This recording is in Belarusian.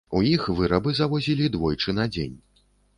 У іх вырабы завозілі двойчы на дзень.